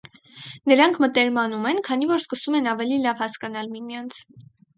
Նրանք մտերմանում են, քանի որ սկսում են ավելի լավ հասկանալ միմյանց։